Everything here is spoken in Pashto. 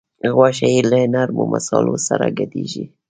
غوښه یې له نرمو مصالحو سره ګډیږي.